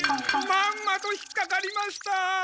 まんまと引っかかりました！